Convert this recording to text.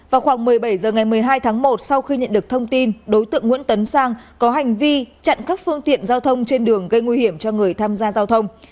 vào khoảng một mươi bảy h ngày một mươi hai tháng một sau khi nhận được thông tin đối tượng nguyễn tấn sang có hành vi chặn các phương tiện giao thông trên đường gây nguy hiểm cho người tham gia giao thông